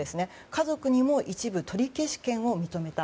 家族にも一部、取り消し権を認めた。